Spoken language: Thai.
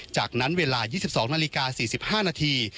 จากนั้นเวลา๒๒นาฬิกา๔๕นาที